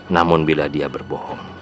namun bila dia berbohong